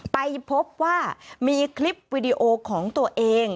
ไปพบว่ามีคลิปวิดีโอของตัวเอง